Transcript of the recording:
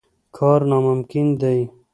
کار ناممکن دی.